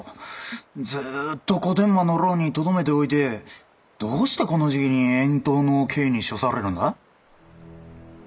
ずっと小伝馬の牢にとどめておいてどうしてこの時期に遠島の刑に処されたんだ？